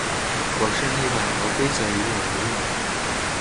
我是例外，而规则于我无用。